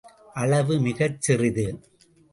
அளவு மிகச் சிறிது.